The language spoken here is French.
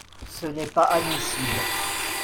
Ce n’est pas admissible.